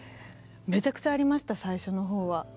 めちゃくちゃありました最初の方は。